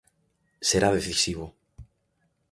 Será decisivo.